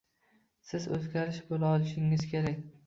Siz o’zgarish bo’la olishingiz kerak